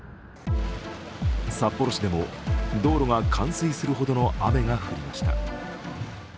札幌市でも道路が冠水するほどの雨が降りました。